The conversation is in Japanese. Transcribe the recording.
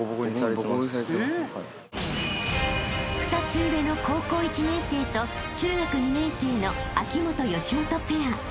［２つ上の高校１年生と中学２年生の秋本・義基ペア］